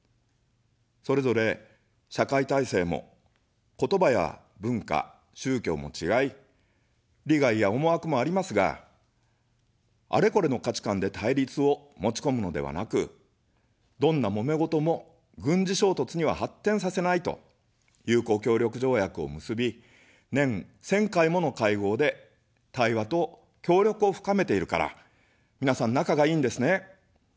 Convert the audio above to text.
それぞれ社会体制も、言葉や文化、宗教も違い、利害や思惑もありますが、あれこれの価値観で対立を持ちこむのではなく、どんなもめごとも軍事衝突には発展させないと友好協力条約を結び、年１０００回もの会合で対話と協力を深めているから、みなさん仲がいいんですね。